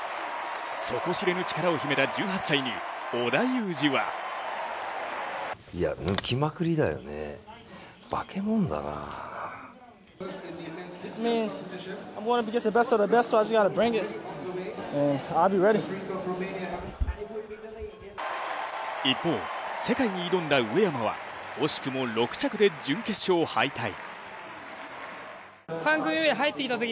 底知れぬ力を秘めた１８歳に織田裕二は一方、世界に挑んだ上山は惜しくも６着で準決勝敗退。